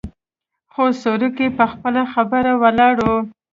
خو سورکی په خپله خبره ولاړ و.